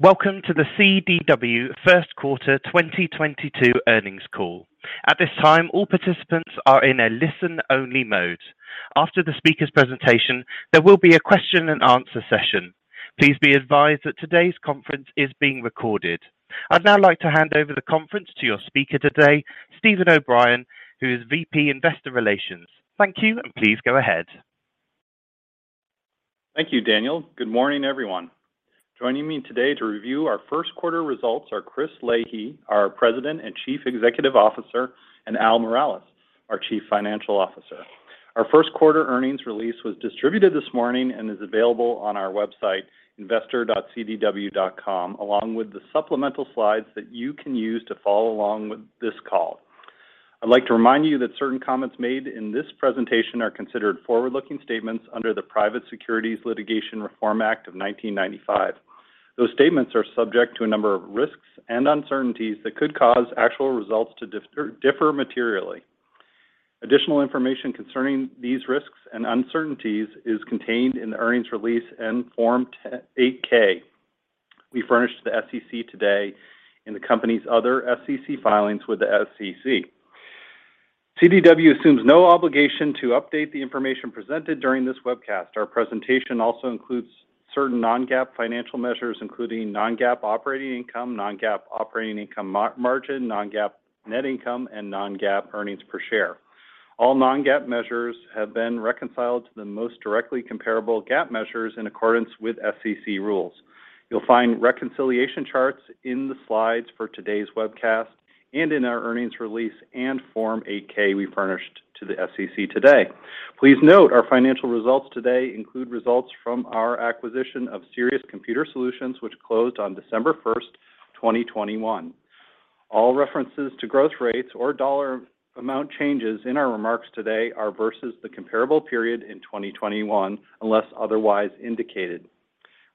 Welcome to the CDW first quarter 2022 earnings call. At this time, all participants are in a listen-only mode. After the speaker's presentation, there will be a question-and-answer session. Please be advised that today's conference is being recorded. I'd now like to hand over the conference to your speaker today, Steven O'Brien, who is VP Investor Relations. Thank you, and please go ahead. Thank you, Daniel. Good morning, everyone. Joining me today to review our first quarter results are Chris Leahy, our President and Chief Executive Officer, and Al Miralles, our Chief Financial Officer. Our first quarter earnings release was distributed this morning and is available on our website, investor.cdw.com, along with the supplemental slides that you can use to follow along with this call. I'd like to remind you that certain comments made in this presentation are considered forward-looking statements under the Private Securities Litigation Reform Act of 1995. Those statements are subject to a number of risks and uncertainties that could cause actual results to differ materially. Additional information concerning these risks and uncertainties is contained in the earnings release and Form 8-K we furnished the SEC today in the company's other SEC filings with the SEC. CDW assumes no obligation to update the information presented during this webcast. Our presentation also includes certain non-GAAP financial measures, including non-GAAP operating income, non-GAAP operating income margin, non-GAAP net income, and non-GAAP earnings per share. All non-GAAP measures have been reconciled to the most directly comparable GAAP measures in accordance with SEC rules. You'll find reconciliation charts in the slides for today's webcast and in our earnings release and Form 8-K we furnished to the SEC today. Please note our financial results today include results from our acquisition of Sirius Computer Solutions, which closed on December 1st, 2021. All references to growth rates or dollar amount changes in our remarks today are versus the comparable period in 2021, unless otherwise indicated.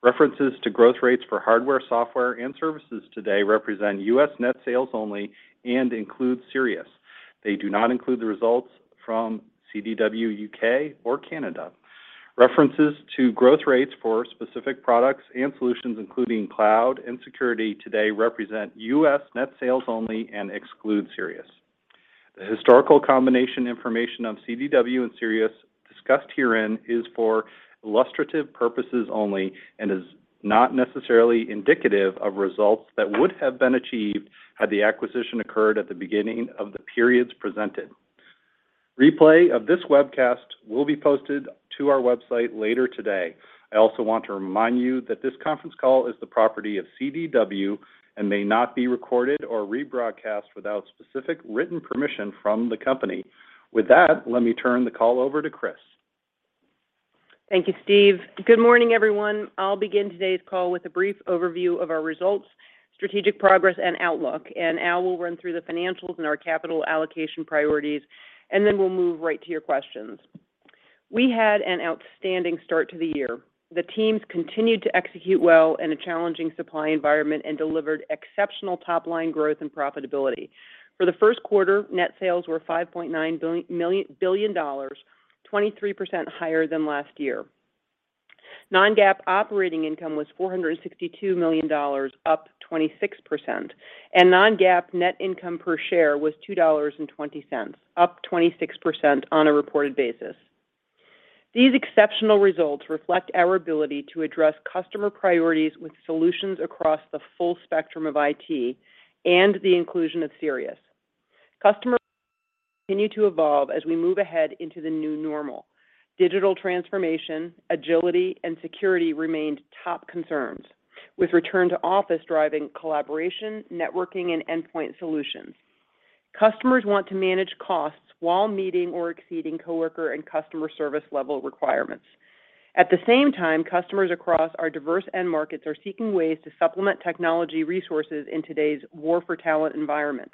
References to growth rates for hardware, software, and services today represent U.S. net sales only and include Sirius. They do not include the results from CDW U.K. or Canada. References to growth rates for specific products and solutions, including cloud and security today represent U.S. net sales only and exclude Sirius. The historical combination information of CDW and Sirius discussed herein is for illustrative purposes only and is not necessarily indicative of results that would have been achieved had the acquisition occurred at the beginning of the periods presented. Replay of this webcast will be posted to our website later today. I also want to remind you that this conference call is the property of CDW and may not be recorded or rebroadcast without specific written permission from the company. With that, let me turn the call over to Chris. Thank you, Steve. Good morning, everyone. I'll begin today's call with a brief overview of our results, strategic progress and outlook. Al will run through the financials and our capital allocation priorities, and then we'll move right to your questions. We had an outstanding start to the year. The teams continued to execute well in a challenging supply environment and delivered exceptional top-line growth and profitability. For the first quarter, net sales were $5.9 billion, 23% higher than last year. Non-GAAP operating income was $462 million, up 26%, and non-GAAP net income per share was $2.20, up 26% on a reported basis. These exceptional results reflect our ability to address customer priorities with solutions across the full spectrum of IT and the inclusion of Sirius. Customer needs continue to evolve as we move ahead into the new normal. Digital transformation, agility, and security remained top concerns, with return to office driving collaboration, networking, and endpoint solutions. Customers want to manage costs while meeting or exceeding coworker and customer service level requirements. At the same time, customers across our diverse end markets are seeking ways to supplement technology resources in today's war for talent environment.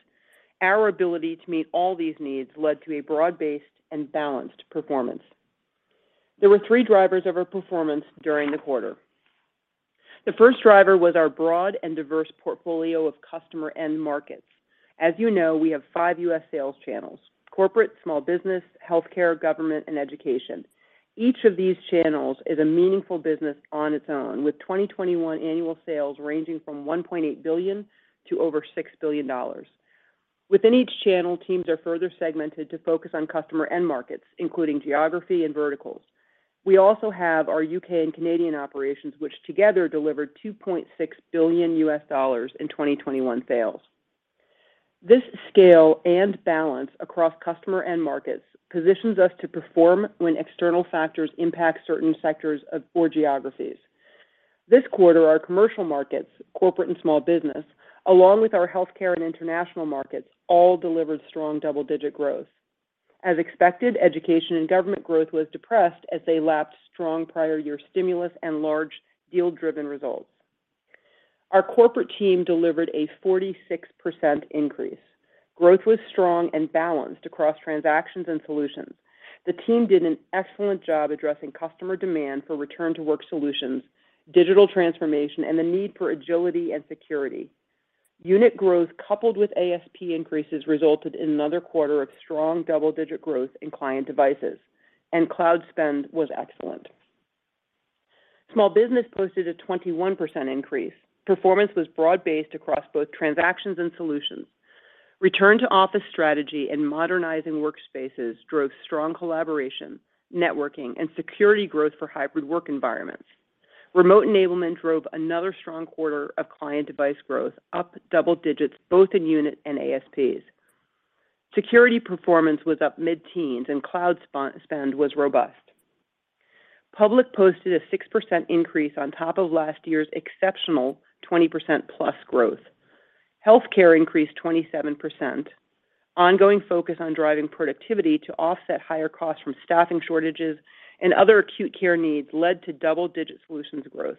Our ability to meet all these needs led to a broad-based and balanced performance. There were three drivers of our performance during the quarter. The first driver was our broad and diverse portfolio of customer end markets. As you know, we have five U.S. sales channels, corporate, small business, healthcare, government, and education. Each of these channels is a meaningful business on its own, with 2021 annual sales ranging from $1.8 billion to over $6 billion. Within each channel, teams are further segmented to focus on customer end markets, including geography and verticals. We also have our U.K. and Canadian operations, which together delivered $2.6 billion in 2021 sales. This scale and balance across customer end markets positions us to perform when external factors impact certain sectors or geographies. This quarter, our commercial markets, corporate and small business, along with our healthcare and international markets, all delivered strong double-digit growth. As expected, education and government growth was depressed as they lapsed strong prior year stimulus and large deal-driven results. Our corporate team delivered a 46% increase. Growth was strong and balanced across transactions and solutions. The team did an excellent job addressing customer demand for return to work solutions, digital transformation, and the need for agility and security. Unit growth coupled with ASP increases resulted in another quarter of strong double-digit growth in client devices, and cloud spend was excellent. Small business posted a 21% increase. Performance was broad-based across both transactions and solutions. Return to office strategy and modernizing workspaces drove strong collaboration, networking, and security growth for hybrid work environments. Remote enablement drove another strong quarter of client device growth, up double digits both in unit and ASPs. Security performance was up mid-teens and cloud spend was robust. Public posted a 6% increase on top of last year's exceptional 20%+ growth. Healthcare increased 27%. Ongoing focus on driving productivity to offset higher costs from staffing shortages and other acute care needs led to double-digit solutions growth.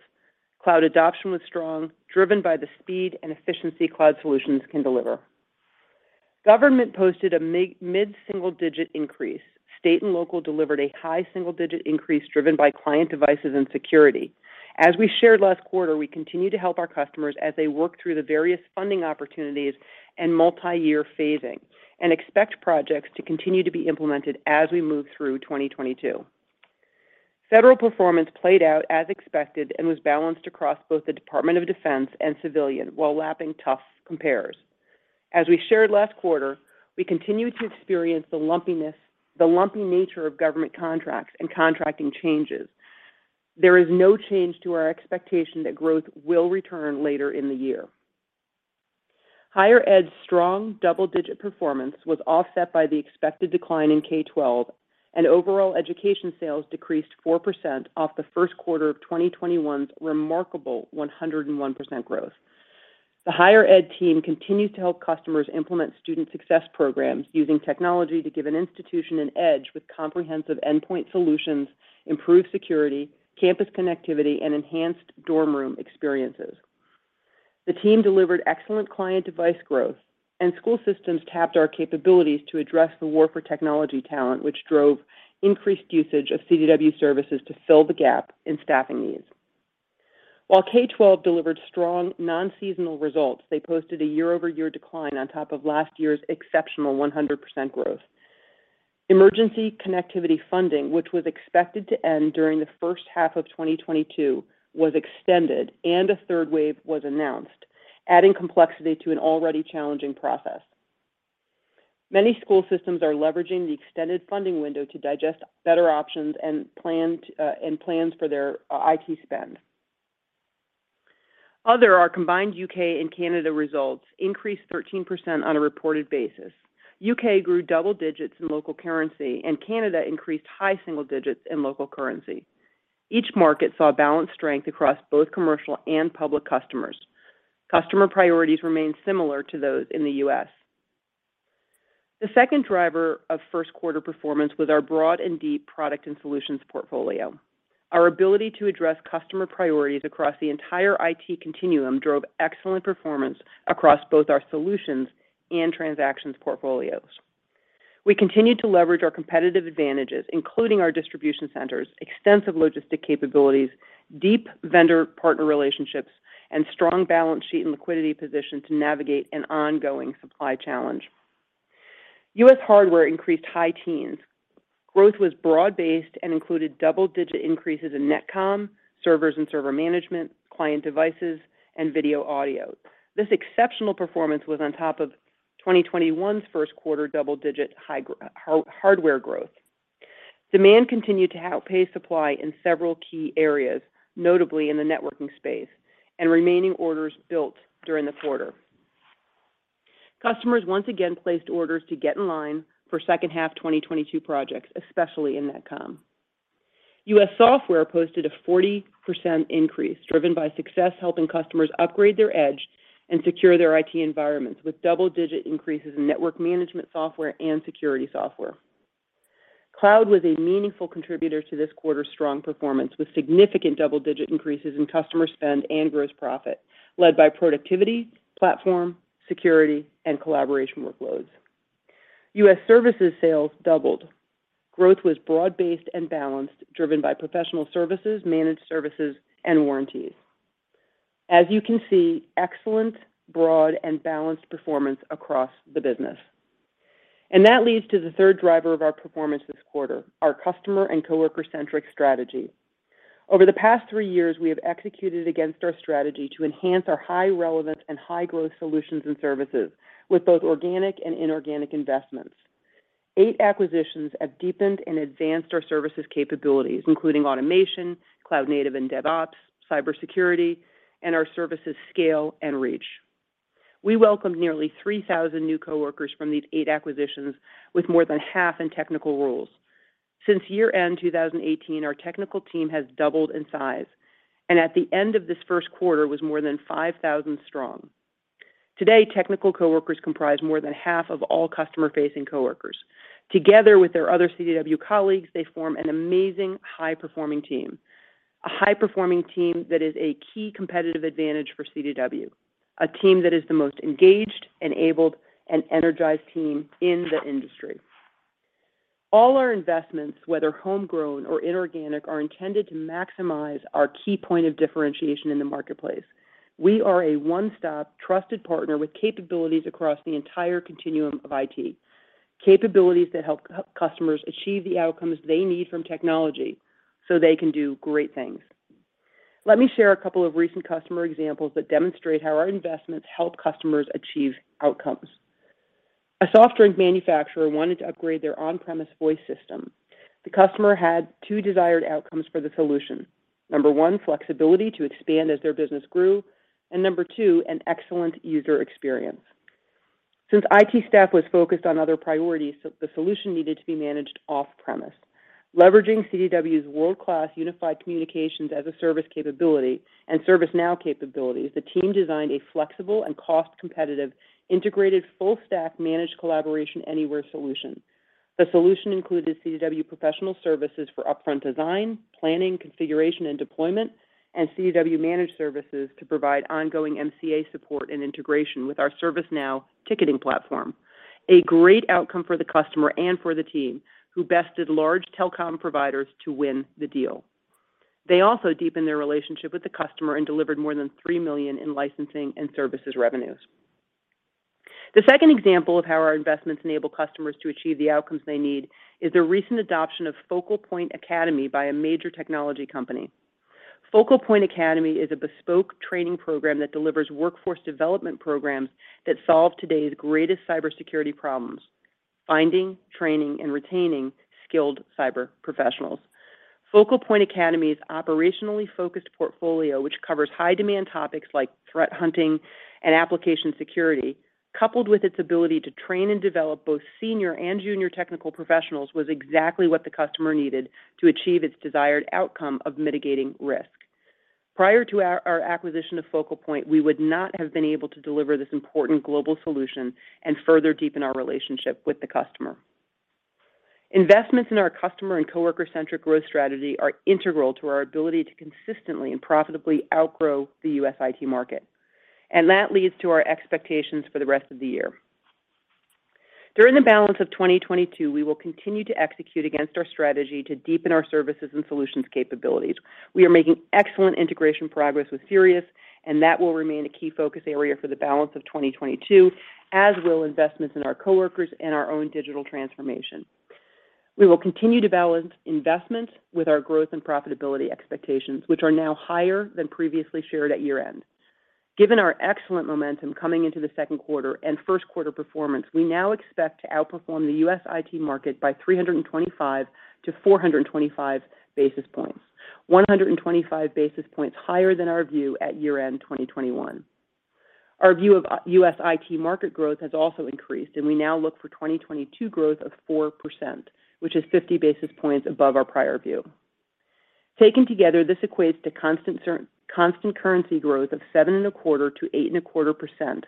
Cloud adoption was strong, driven by the speed and efficiency cloud solutions can deliver. Government posted a mid-single-digit increase. State and local delivered a high single-digit increase driven by client devices and security. As we shared last quarter, we continue to help our customers as they work through the various funding opportunities and multi-year phasing, and expect projects to continue to be implemented as we move through 2022. Federal performance played out as expected and was balanced across both the Department of Defense and civilian, while lapping tough compares. As we shared last quarter, we continue to experience the lumpiness, the lumpy nature of government contracts and contracting changes. There is no change to our expectation that growth will return later in the year. Higher ed's strong double-digit performance was offset by the expected decline in K-12, and overall education sales decreased 4% off the first quarter of 2021's remarkable 101% growth. The higher ed team continued to help customers implement student success programs using technology to give an institution an edge with comprehensive endpoint solutions, improved security, campus connectivity, and enhanced dorm room experiences. The team delivered excellent client device growth, and school systems tapped our capabilities to address the war for technology talent, which drove increased usage of CDW services to fill the gap in staffing needs. While K-12 delivered strong non-seasonal results, they posted a year-over-year decline on top of last year's exceptional 100% growth. Emergency connectivity funding, which was expected to end during the first half of 2022, was extended and a third wave was announced, adding complexity to an already challenging process. Many school systems are leveraging the extended funding window to digest better options and plans for their IT spend. Overall, our combined U.K. and Canada results increased 13% on a reported basis. U.K. grew double digits in local currency, and Canada increased high single digits in local currency. Each market saw balanced strength across both commercial and public customers. Customer priorities remained similar to those in the U.S.. The second driver of first quarter performance was our broad and deep product and solutions portfolio. Our ability to address customer priorities across the entire IT continuum drove excellent performance across both our solutions and transactions portfolios. We continued to leverage our competitive advantages, including our distribution centers, extensive logistic capabilities, deep vendor partner relationships, and strong balance sheet and liquidity position to navigate an ongoing supply challenge. U.S. hardware increased high teens. Growth was broad-based and included double-digit increases in NetComm, servers and server management, client devices, and video audio. This exceptional performance was on top of 2021's first quarter double-digit high hardware growth. Demand continued to outpace supply in several key areas, notably in the networking space, and remaining orders built during the quarter. Customers once again placed orders to get in line for second half 2022 projects, especially in NetComm. U.S. software posted a 40% increase, driven by success helping customers upgrade their edge and secure their IT environments with double-digit increases in network management software and security software. Cloud was a meaningful contributor to this quarter's strong performance, with significant double-digit increases in customer spend and gross profit, led by productivity, platform, security, and collaboration workloads. U.S. services sales doubled. Growth was broad-based and balanced, driven by professional services, managed services, and warranties. As you can see, excellent, broad, and balanced performance across the business. That leads to the third driver of our performance this quarter, our customer and coworker-centric strategy. Over the past three years, we have executed against our strategy to enhance our high relevance and high growth solutions and services with both organic and inorganic investments. Eight acquisitions have deepened and advanced our services capabilities, including automation, cloud native and DevOps, cybersecurity, and our services scale and reach. We welcomed nearly 3,000 new coworkers from these eight acquisitions, with more than half in technical roles. Since year-end 2018, our technical team has doubled in size, and at the end of this first quarter was more than 5,000 strong. Today, technical coworkers comprise more than half of all customer-facing coworkers. Together with their other CDW colleagues, they form an amazing high-performing team. A high-performing team that is a key competitive advantage for CDW, a team that is the most engaged, enabled, and energized team in the industry. All our investments, whether homegrown or inorganic, are intended to maximize our key point of differentiation in the marketplace. We are a one-stop trusted partner with capabilities across the entire continuum of IT. Capabilities that help customers achieve the outcomes they need from technology so they can do great things. Let me share a couple of recent customer examples that demonstrate how our investments help customers achieve outcomes. A soft drink manufacturer wanted to upgrade their on-premise voice system. The customer had two desired outcomes for the solution. Number one, flexibility to expand as their business grew, and number two, an excellent user experience. Since IT staff was focused on other priorities, so the solution needed to be managed off-premise. Leveraging CDW's world-class unified communications as a service capability and ServiceNow capabilities, the team designed a flexible and cost-competitive integrated full stack managed collaboration anywhere solution. The solution included CDW professional services for upfront design, planning, configuration, and deployment, and CDW managed services to provide ongoing MCA support and integration with our ServiceNow ticketing platform. A great outcome for the customer and for the team, who bested large telecom providers to win the deal. They also deepened their relationship with the customer and delivered more than $3 million in licensing and services revenues. The second example of how our investments enable customers to achieve the outcomes they need is the recent adoption of Focal Point Academy by a major technology company. Focal Point Academy is a bespoke training program that delivers workforce development programs that solve today's greatest cybersecurity problems, finding, training, and retaining skilled cyber professionals. Focal Point Academy's operationally focused portfolio, which covers high-demand topics like threat hunting and application security, coupled with its ability to train and develop both senior and junior technical professionals, was exactly what the customer needed to achieve its desired outcome of mitigating risk. Prior to our acquisition of Focal Point, we would not have been able to deliver this important global solution and further deepen our relationship with the customer. Investments in our customer and coworker-centric growth strategy are integral to our ability to consistently and profitably outgrow the U.S. IT market. That leads to our expectations for the rest of the year. During the balance of 2022, we will continue to execute against our strategy to deepen our services and solutions capabilities. We are making excellent integration progress with Sirius, and that will remain a key focus area for the balance of 2022, as will investments in our coworkers and our own digital transformation. We will continue to balance investments with our growth and profitability expectations, which are now higher than previously shared at year-end. Given our excellent momentum coming into the second quarter and first quarter performance, we now expect to outperform the U.S. IT market by 325 to 425 basis points. 125 basis points higher than our view at year-end 2021. Our view of U.S. IT market growth has also increased, and we now look for 2022 growth of 4%, which is 50 basis points above our prior view. Taken together, this equates to constant currency growth of 7.25%-8.25%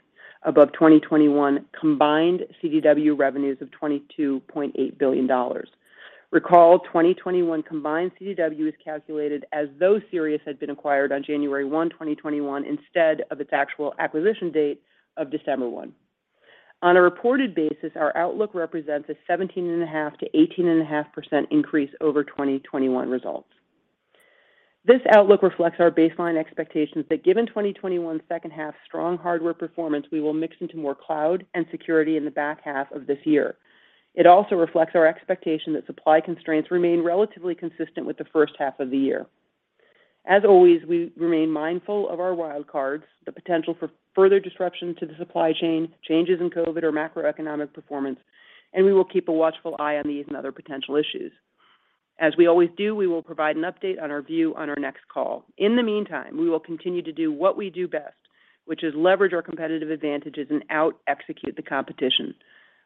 above 2021 combined CDW revenues of $22.8 billion. Recall, 2021 combined CDW is calculated as though Sirius had been acquired on January 1, 2021 instead of its actual acquisition date of December 1. On a reported basis, our outlook represents a 17.5%-18.5% increase over 2021 results. This outlook reflects our baseline expectations that given 2021 second half strong hardware performance, we will mix into more cloud and security in the back half of this year. It also reflects our expectation that supply constraints remain relatively consistent with the first half of the year. As always, we remain mindful of our wild cards, the potential for further disruption to the supply chain, changes in COVID or macroeconomic performance, and we will keep a watchful eye on these and other potential issues. As we always do, we will provide an update on our view on our next call. In the meantime, we will continue to do what we do best, which is leverage our competitive advantages and out execute the competition.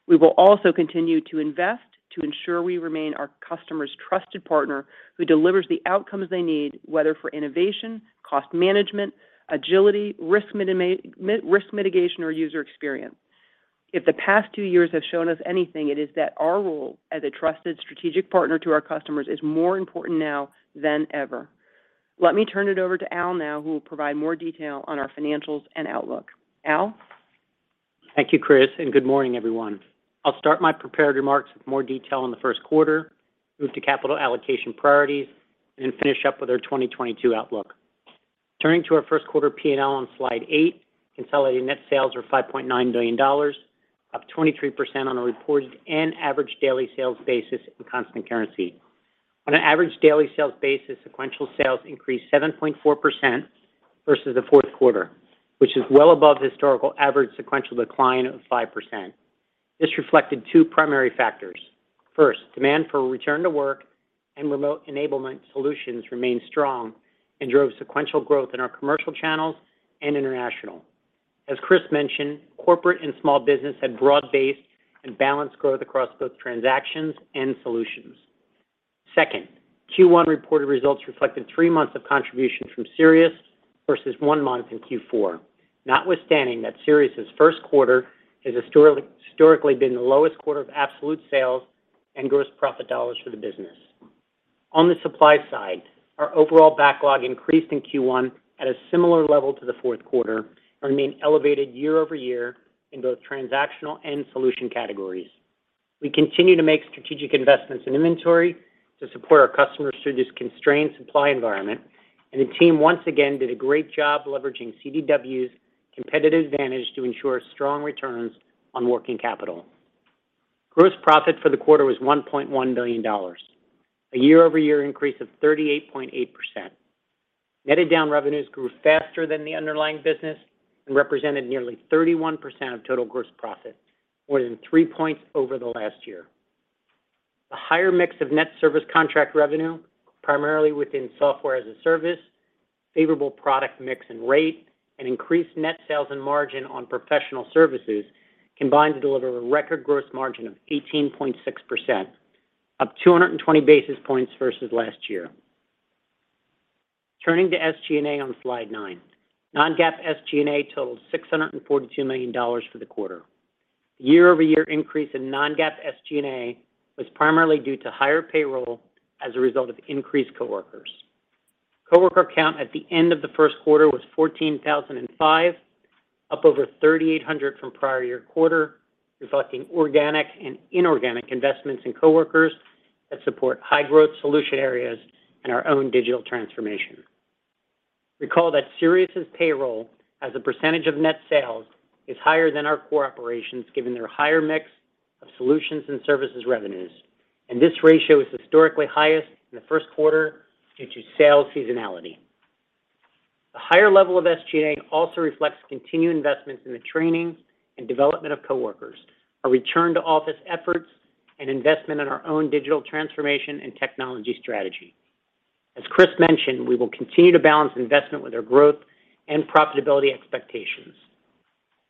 We will also continue to invest to ensure we remain our customer's trusted partner who delivers the outcomes they need, whether for innovation, cost management, agility, risk mitigation, or user experience. If the past two years have shown us anything, it is that our role as a trusted strategic partner to our customers is more important now than ever. Let me turn it over to Al now, who will provide more detail on our financials and outlook. Al? Thank you, Chris, and good morning, everyone. I'll start my prepared remarks with more detail on the first quarter, move to capital allocation priorities, and then finish up with our 2022 outlook. Turning to our first quarter P&L on slide eight, consolidated net sales were $5.9 billion, up 23% on a reported and average daily sales basis in constant currency. On an average daily sales basis, sequential sales increased 7.4% versus the fourth quarter, which is well above the historical average sequential decline of 5%. This reflected two primary factors. First, demand for return to work and remote enablement solutions remained strong and drove sequential growth in our commercial channels and international. As Chris mentioned, corporate and small business had broad-based and balanced growth across both transactions and solutions. Second, Q1 reported results reflected three months of contribution from Sirius versus one month in Q4. Notwithstanding that Sirius' first quarter has historically been the lowest quarter of absolute sales and gross profit dollars for the business. On the supply side, our overall backlog increased in Q1 at a similar level to the fourth quarter, and remain elevated year-over-year in both transactional and solution categories. We continue to make strategic investments in inventory to support our customers through this constrained supply environment, and the team once again did a great job leveraging CDW's competitive advantage to ensure strong returns on working capital. Gross profit for the quarter was $1.1 billion, a year-over-year increase of 38.8%. Netted down revenues grew faster than the underlying business and represented nearly 31% of total gross profit, more than three points over the last year. The higher mix of net service contract revenue, primarily within software as a service, favorable product mix and rate, and increased net sales and margin on professional services combined to deliver a record gross margin of 18.6%, up 220 basis points versus last year. Turning to SG&A on slide nine. Non-GAAP SG&A totaled $642 million for the quarter. Year-over-year increase in Non-GAAP SG&A was primarily due to higher payroll as a result of increased coworkers. Coworker count at the end of the first quarter was 14,005, up over 3,800 from prior year quarter, reflecting organic and inorganic investments in coworkers that support high-growth solution areas and our own digital transformation. Recall that Sirius's payroll as a percentage of net sales is higher than our core operations given their higher mix of solutions and services revenues, and this ratio is historically highest in the first quarter due to sales seasonality. The higher level of SG&A also reflects continued investments in the training and development of coworkers, our return to office efforts, and investment in our own digital transformation and technology strategy. As Chris mentioned, we will continue to balance investment with our growth and profitability expectations.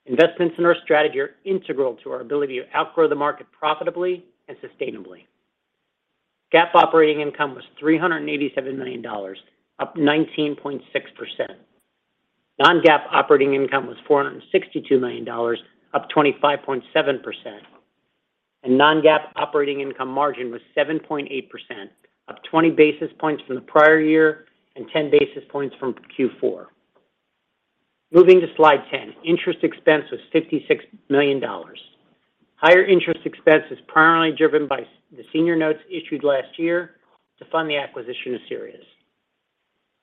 Investments in our strategy are integral to our ability to outgrow the market profitably and sustainably. GAAP operating income was $387 million, up 19.6%. Non-GAAP operating income was $462 million, up 25.7%. Non-GAAP operating income margin was 7.8%, up 20 basis points from the prior year and 10 basis points from Q4. Moving to slide 10, interest expense was $56 million. Higher interest expense is primarily driven by the senior notes issued last year to fund the acquisition of Sirius.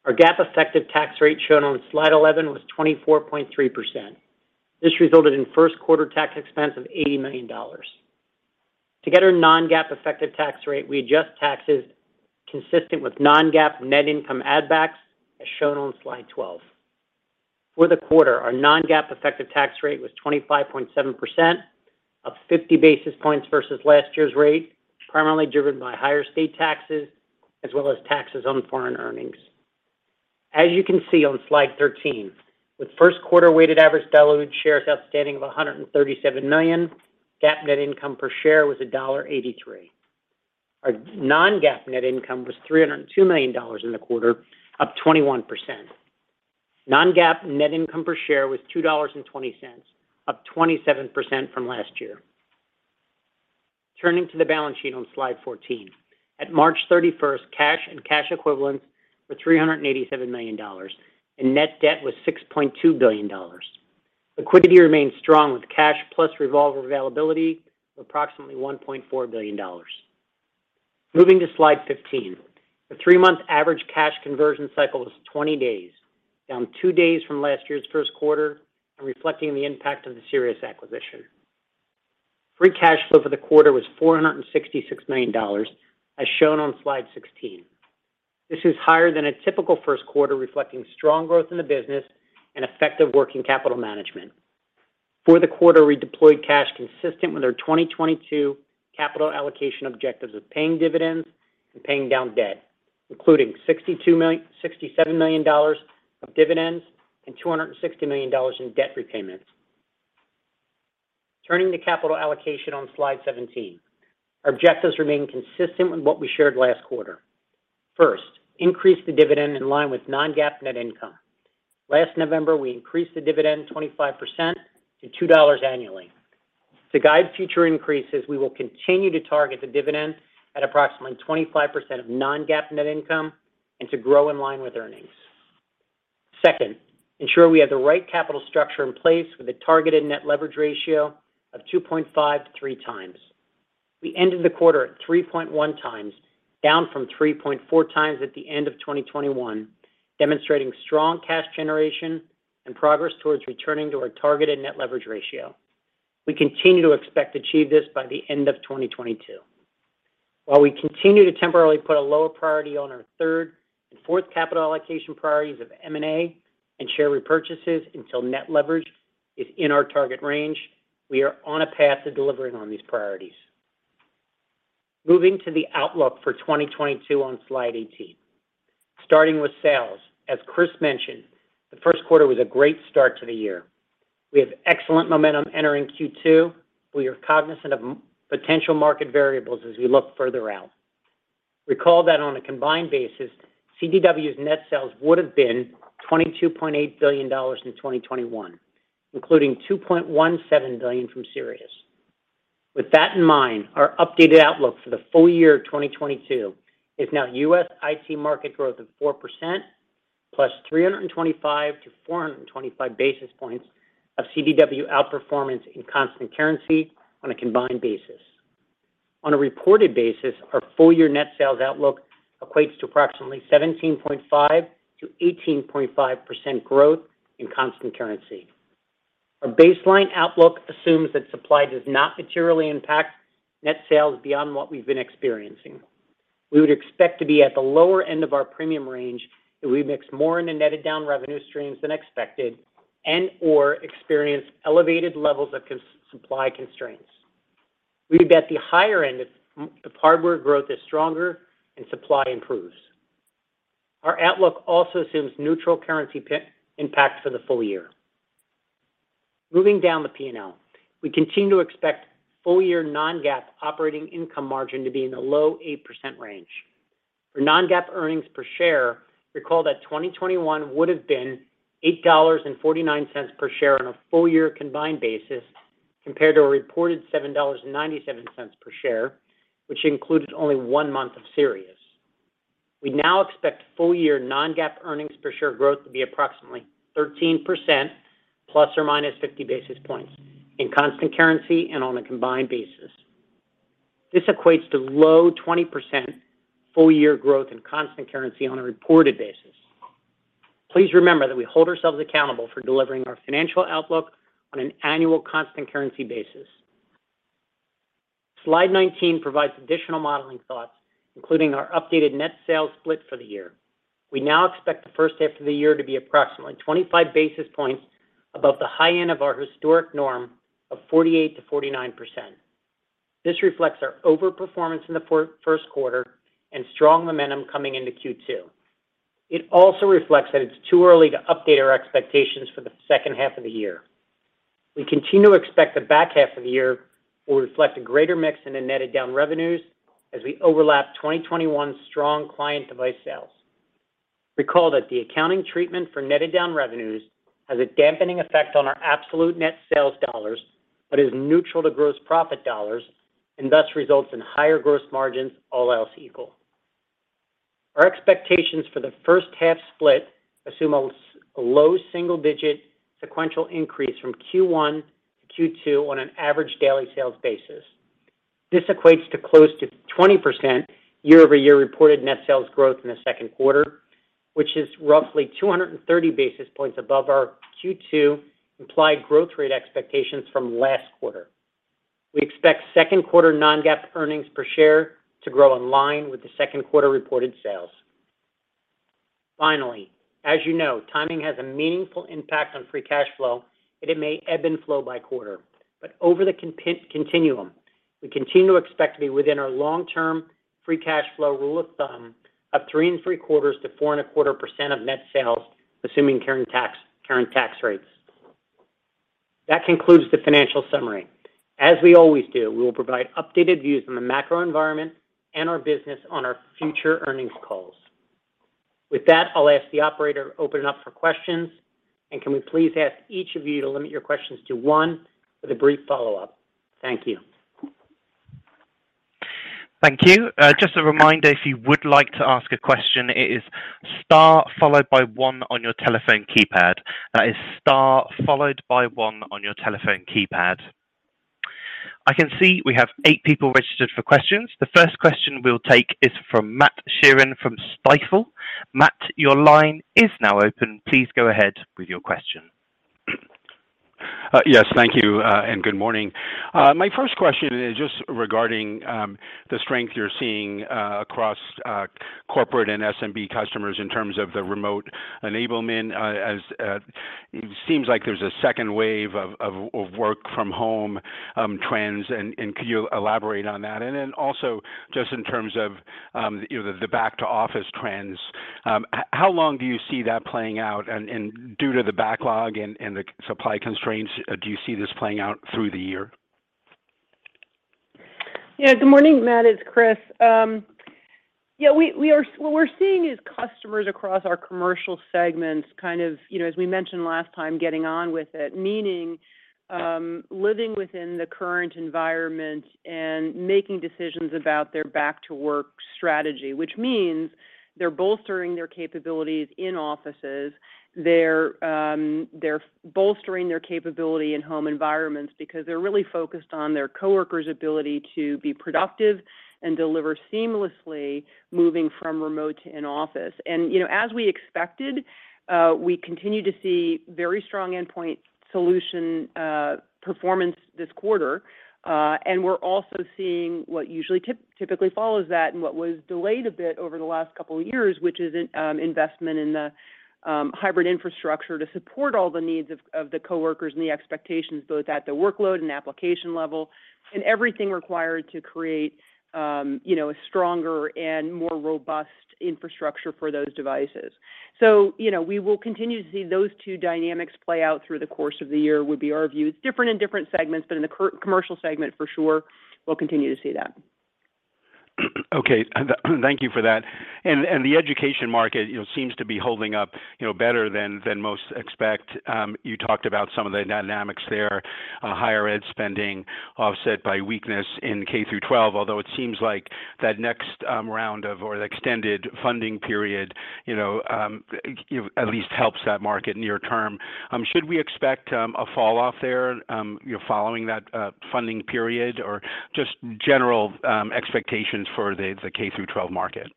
Our GAAP effective tax rate shown on slide 11 was 24.3%. This resulted in first quarter tax expense of $80 million. To get our non-GAAP effective tax rate, we adjust taxes consistent with non-GAAP net income add backs, as shown on slide 12. For the quarter, our non-GAAP effective tax rate was 25.7%, up 50 basis points versus last year's rate, primarily driven by higher state taxes as well as taxes on foreign earnings. As you can see on slide 13, with first quarter weighted average diluted shares outstanding of 137 million, GAAP net income per share was $1.83. Our non-GAAP net income was $302 million in the quarter, up 21%. Non-GAAP net income per share was $2.20, up 27% from last year. Turning to the balance sheet on slide 14. At March 31st, cash and cash equivalents were $387 million, and net debt was $6.2 billion. Liquidity remains strong with cash plus revolver availability of approximately $1.4 billion. Moving to slide 15. The three-month average cash conversion cycle was 20 days, down two days from last year's first quarter, and reflecting the impact of the Sirius acquisition. Free cash flow for the quarter was $466 million as shown on slide 16. This is higher than a typical first quarter, reflecting strong growth in the business and effective working capital management. For the quarter, we deployed cash consistent with our 2022 capital allocation objectives of paying dividends and paying down debt, including $67 million of dividends and $260 million in debt repayments. Turning to capital allocation on slide 17. Our objectives remain consistent with what we shared last quarter. First, increase the dividend in line with non-GAAP net income. Last November, we increased the dividend 25% to $2 annually. To guide future increases, we will continue to target the dividend at approximately 25% of non-GAAP net income and to grow in line with earnings. Second, ensure we have the right capital structure in place with a targeted net leverage ratio of 2.5x-3x. We ended the quarter at 3.1x, down from 3.4x at the end of 2021, demonstrating strong cash generation and progress towards returning to our targeted net leverage ratio. We continue to expect to achieve this by the end of 2022. While we continue to temporarily put a lower priority on our third and fourth capital allocation priorities of M&A and share repurchases until net leverage is in our target range, we are on a path to delivering on these priorities. Moving to the outlook for 2022 on slide 18. Starting with sales, as Chris mentioned, the first quarter was a great start to the year. We have excellent momentum entering Q2. We are cognizant of many potential market variables as we look further out. Recall that on a combined basis, CDW's net sales would have been $22.8 billion in 2021, including $2.17 billion from Sirius. With that in mind, our updated outlook for the full year 2022 is now U.S. IT market growth of 4% +325-425 basis points of CDW outperformance in constant currency on a combined basis. On a reported basis, our full year net sales outlook equates to approximately 17.5%-18.5% growth in constant currency. Our baseline outlook assumes that supply does not materially impact net sales beyond what we've been experiencing. We would expect to be at the lower end of our premium range if we mix more in the netted down revenue streams than expected and/or experience elevated levels of component-supply constraints. We'd be at the higher end if hardware growth is stronger and supply improves. Our outlook also assumes neutral currency FX impact for the full year. Moving down the P&L, we continue to expect full year non-GAAP operating income margin to be in the low 8% range. For non-GAAP earnings per share, recall that 2021 would have been $8.49 per share on a full year combined basis compared to a reported $7.97 per share, which included only one month of Sirius. We now expect full year non-GAAP earnings per share growth to be approximately 13% ±50 basis points in constant currency and on a combined basis. This equates to low 20% full year growth in constant currency on a reported basis. Please remember that we hold ourselves accountable for delivering our financial outlook on an annual constant currency basis. Slide 19 provides additional modeling thoughts, including our updated net sales split for the year. We now expect the first half of the year to be approximately 25 basis points above the high end of our historic norm of 48%-49%. This reflects our overperformance in the first quarter and strong momentum coming into Q2. It also reflects that it's too early to update our expectations for the second half of the year. We continue to expect the back half of the year will reflect a greater mix in the netted down revenues as we overlap 2021 strong client device sales. Recall that the accounting treatment for netted down revenues has a dampening effect on our absolute net sales dollars, but is neutral to gross profit dollars and thus results in higher gross margins all else equal. Our expectations for the first half split assume a low single-digit sequential increase from Q1 to Q2 on an average daily sales basis. This equates to close to 20% year-over-year reported net sales growth in the second quarter, which is roughly 230 basis points above our Q2 implied growth rate expectations from last quarter. We expect second quarter non-GAAP earnings per share to grow in line with the second quarter reported sales. Finally, as you know, timing has a meaningful impact on free cash flow, and it may ebb and flow by quarter. Over the continuum, we continue to expect to be within our long-term free cash flow rule of thumb of 3.75%-4.25% of net sales, assuming current tax rates. That concludes the financial summary. As we always do, we will provide updated views on the macro environment and our business on our future earnings calls. With that, I'll ask the operator to open it up for questions, and can we please ask each of you to limit your questions to one with a brief follow-up. Thank you. Thank you. Just a reminder, if you would like to ask a question, it is star followed by one on your telephone keypad. That is star followed by one on your telephone keypad. I can see we have eight people registered for questions. The first question we'll take is from Matt Sheerin from Stifel. Matt, your line is now open. Please go ahead with your question. Yes, thank you, and good morning. My first question is just regarding the strength you're seeing across corporate and SMB customers in terms of the remote enablement. It seems like there's a second wave of work from home trends, and could you elaborate on that? Then also, just in terms of you know, the back to office trends, how long do you see that playing out? Due to the backlog and the supply constraints, do you see this playing out through the year? Yeah. Good morning, Matt, it's Chris. Yeah, what we're seeing is customers across our commercial segments kind of, you know, as we mentioned last time, getting on with it, meaning, living within the current environment and making decisions about their back to work strategy, which means they're bolstering their capabilities in offices. They're bolstering their capability in home environments because they're really focused on their coworkers' ability to be productive and deliver seamlessly moving from remote to in-office. You know, as we expected, we continue to see very strong endpoint solution performance this quarter. We're also seeing what usually typically follows that and what was delayed a bit over the last couple of years, which is an investment in the hybrid infrastructure to support all the needs of the coworkers and the expectations, both at the workload and application level, and everything required to create you know a stronger and more robust infrastructure for those devices. You know, we will continue to see those two dynamics play out through the course of the year, would be our view. It's different in different segments, but in the current commercial segment for sure, we'll continue to see that. Okay. Thank you for that. The education market, you know, seems to be holding up, you know, better than most expect. You talked about some of the dynamics there, higher ed spending offset by weakness in K-12, although it seems like that next round of or the extended funding period, you know, at least helps that market near term. Should we expect a fall off there, you know, following that funding period, or just general expectations for the K-12 market?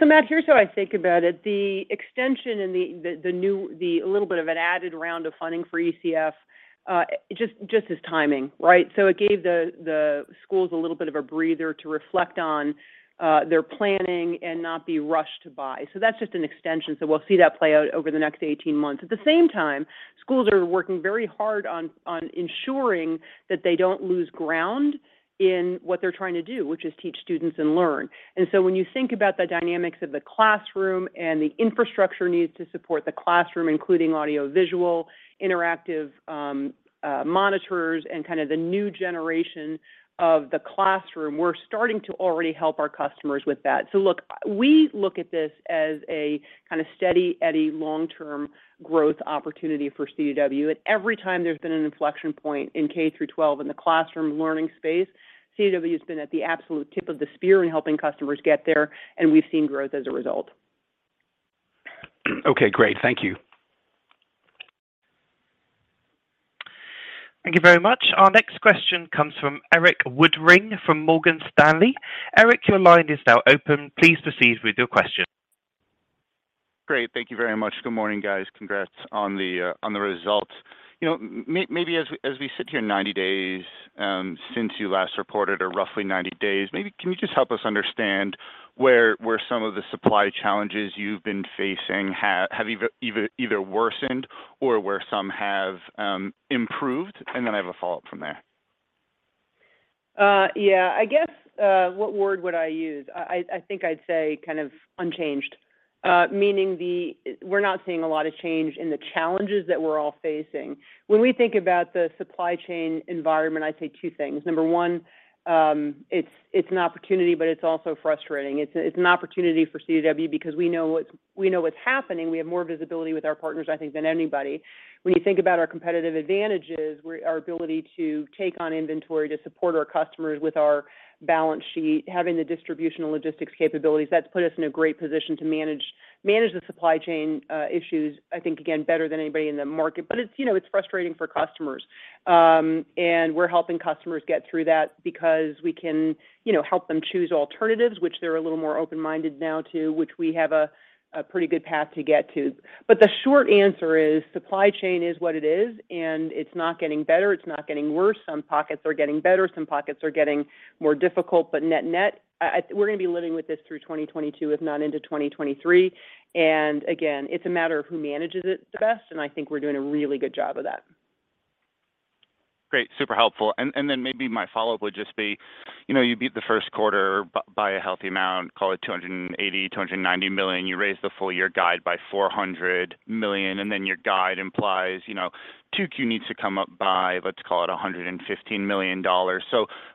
Matt, here's how I think about it. The extension and the little bit of an added round of funding for ECF, just as timing, right? It gave the schools a little bit of a breather to reflect on their planning and not be rushed to buy. That's just an extension, so we'll see that play out over the next 18 months. At the same time, schools are working very hard on ensuring that they don't lose ground in what they're trying to do, which is teach students and learn. When you think about the dynamics of the classroom and the infrastructure needs to support the classroom, including audiovisual, interactive monitors, and kind of the new generation of the classroom, we're starting to already help our customers with that. Look, we look at this as a steady Eddie long-term growth opportunity for CDW. Every time there's been an inflection point in K-12 in the classroom learning space, CDW has been at the absolute tip of the spear in helping customers get there, and we've seen growth as a result. Okay, great. Thank you. Thank you very much. Our next question comes from Erik Woodring from Morgan Stanley. Erik, your line is now open. Please proceed with your question. Great. Thank you very much. Good morning, guys. Congrats on the results. You know, maybe as we sit here 90 days since you last reported or roughly 90 days, maybe can you just help us understand where some of the supply challenges you've been facing have either worsened or where some have improved? Then I have a follow-up from there. Yeah. I guess what word would I use? I think I'd say kind of unchanged, meaning we're not seeing a lot of change in the challenges that we're all facing. When we think about the supply chain environment, I'd say two things. Number one, it's an opportunity, but it's also frustrating. It's an opportunity for CDW because we know what's happening. We have more visibility with our partners, I think, than anybody. When you think about our competitive advantages, our ability to take on inventory to support our customers with our balance sheet, having the distribution logistics capabilities, that's put us in a great position to manage the supply chain issues, I think, again, better than anybody in the market. But you know, it's frustrating for customers. We're helping customers get through that because we can, you know, help them choose alternatives, which they're a little more open-minded now to, which we have a pretty good path to get to. The short answer is supply chain is what it is, and it's not getting better, it's not getting worse. Some pockets are getting better, some pockets are getting more difficult. Net-net, we're going to be living with this through 2022, if not into 2023. Again, it's a matter of who manages it the best, and I think we're doing a really good job of that. Great. Super helpful. My follow-up would just be, you know, you beat the first quarter by a healthy amount, call it $280 million-$290 million. You raised the full year guide by $400 million, and then your guide implies, you know, 2Q needs to come up by, let's call it $115 million.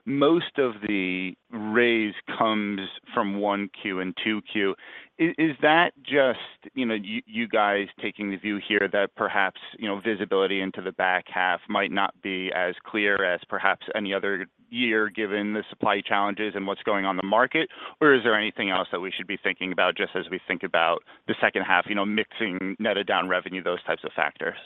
Most of the raise comes from 1Q and 2Q. Is that just, you know, you guys taking the view here that perhaps, you know, visibility into the back half might not be as clear as perhaps any other year given the supply challenges and what's going on in the market? Is there anything else that we should be thinking about just as we think about the second half, you know, mixing netted down revenues, those types of factors?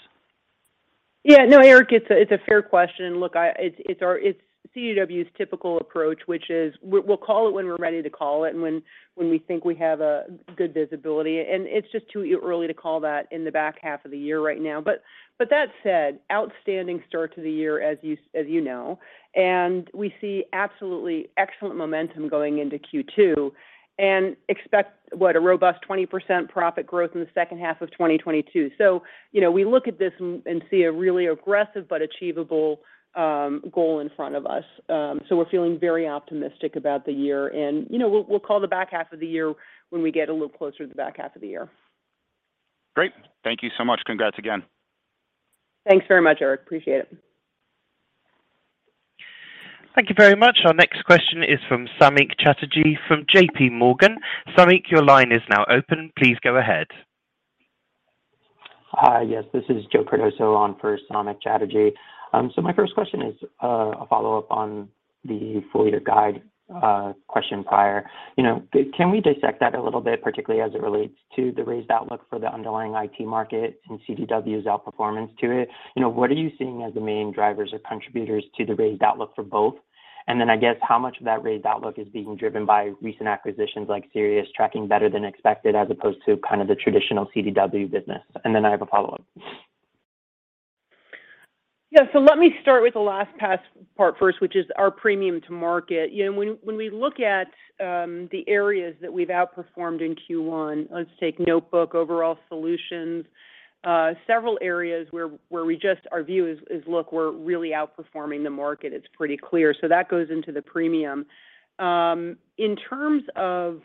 Yeah. No, Erik, it's a fair question. Look, it's CDW's typical approach, which is we'll call it when we're ready to call it, and when we think we have a good visibility. It's just too early to call that in the back half of the year right now. But that said, outstanding start to the year, as you know, and we see absolutely excellent momentum going into Q2, and expect a robust 20% profit growth in the second half of 2022. You know, we look at this and see a really aggressive but achievable goal in front of us. We're feeling very optimistic about the year. You know, we'll call the back half of the year when we get a little closer to the back half of the year. Great. Thank you so much. Congrats again. Thanks very much, Erik. Appreciate it. Thank you very much. Our next question is from Samik Chatterjee from J.P. Morgan. Samik, your line is now open. Please go ahead. Hi. Yes. This is Joe Cardoso on for Samik Chatterjee. My first question is a follow-up on the full year guide, question prior. You know, can we dissect that a little bit, particularly as it relates to the raised outlook for the underlying IT market and CDW's outperformance to it? You know, what are you seeing as the main drivers or contributors to the raised outlook for both? I guess how much of that raised outlook is being driven by recent acquisitions like Sirius tracking better than expected as opposed to kind of the traditional CDW business? I have a follow-up. Yeah. Let me start with the last part first, which is our premium to market. You know, when we look at the areas that we've outperformed in Q1, let's take Notebook, overall solutions, several areas where our view is, look, we're really outperforming the market. It's pretty clear. That goes into the premium. In terms of